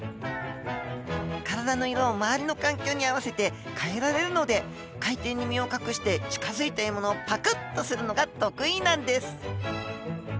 体の色を周りの環境に合わせて変えられるので海底に身を隠して近づいた獲物をパクッとするのが得意なんです。